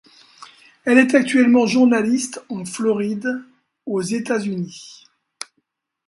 Elle est actuellement journaliste en Floride aux États-Unis.